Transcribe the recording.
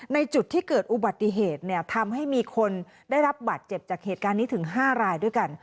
ในจุดที่เกิดอุบัติเหตุเนี่ยทำให้มีคนได้รับบาดเจ็บจากเหตุการณ์นี้ถึง๕รายด้วยกัน